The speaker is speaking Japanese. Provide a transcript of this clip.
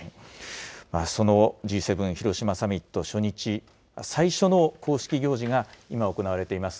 そのＧ７広島サミット初日、最初の公式行事が今行われています